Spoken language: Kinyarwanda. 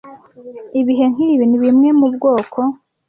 Ibihe nkibi nibimwe mubwoko ...